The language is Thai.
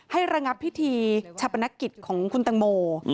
ระงับพิธีชาปนกิจของคุณตังโม